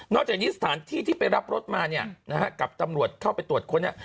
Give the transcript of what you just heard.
จากนี้สถานที่ที่ไปรับรถมาเนี่ยนะฮะกับตำรวจเข้าไปตรวจค้นเนี่ย